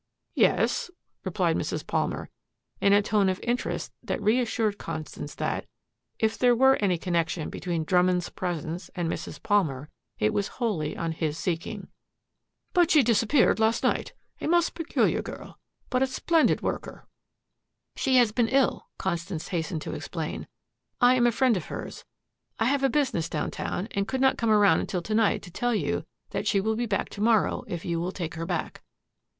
"Yes," replied Mrs. Palmer in a tone of interest that reassured Constance that, if there were any connection between Drummond's presence and Mrs. Palmer, it was wholly on his seeking. "But she disappeared last night. A most peculiar girl but a splendid worker." "She has been ill," Constance hastened to explain. "I am a friend of hers. I have a business downtown and could not come around until to night to tell you that she will be back to morrow if you will take her back."